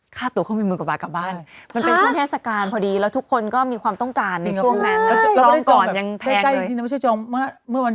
ค่าตัวเขาเป็น๑๐๐๐กว่าบาทกลับบ้าน